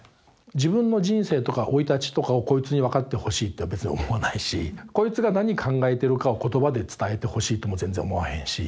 自分の人生とか生い立ちとかをこいつに分かってほしいって別に思わないしこいつが何考えてるかを言葉で伝えてほしいとも全然思わへんし。